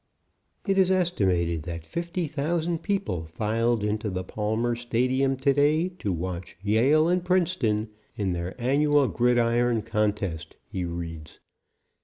"It is estimated that 50,000 people filed into the Palmer Stadium to day to watch Yale and Princeton in their annual gridiron contest," he reads.